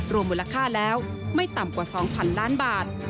รวมมูลค่าแล้วไม่ต่ำกว่า๒๐๐๐ล้านบาท